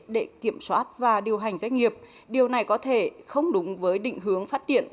để kiểm soát và điều hành doanh nghiệp điều này có thể không đúng với định hướng phát triển